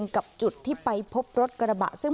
อันดับที่สุดท้าย